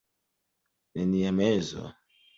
Nenia mezo.